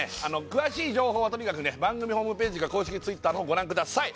詳しい情報はとにかく番組ホームページか公式Ｔｗｉｔｔｅｒのほうご覧ください